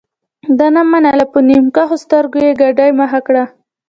ده نه منله په نیم کښو سترګو یې ګاډۍ مخ کړه.